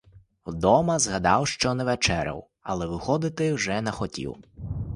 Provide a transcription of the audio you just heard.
Вдома згадав, що не вечеряв, але виходити вже не хотів.